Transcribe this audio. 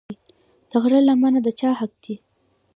د غره للمه د چا حق دی؟